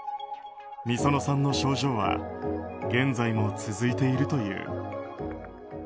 ｍｉｓｏｎｏさんの症状は現在も続いているという。